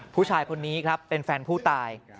ผู้ชายคนนี้ครับเป็นแฟนผู้ตาย